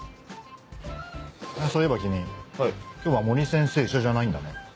そういえば君今日は森先生一緒じゃないんだね。